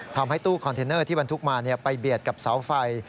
ทำให้ตู้คอนเทนเนอร์ที่บรรทุกมาไปเบียดกับเสาไฟ